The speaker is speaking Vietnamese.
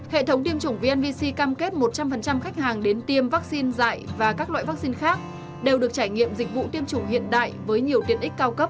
hệ thống tiêm chủng vnvc cam kết một trăm linh khách hàng đến tiêm vaccine dại và các loại vaccine khác đều được trải nghiệm dịch vụ tiêm chủng hiện đại với nhiều tiện ích cao cấp